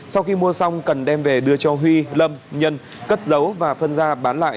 sau khi mua xong cần đem về đưa cho huy lâm nhân cất giấu và phân ra bán lại